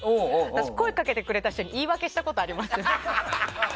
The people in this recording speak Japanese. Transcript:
私、声かけてくれた人に言い訳したことあります。